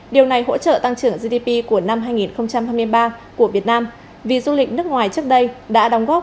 điều này hỗ trợ tăng trưởng gdp của năm hai nghìn hai mươi ba của việt nam vì du lịch nước ngoài trước đây đã đóng góp